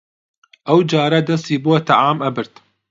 ئەوجارە دەستی بۆ تەعام ئەبرد